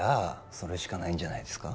それしかないんじゃないんですか？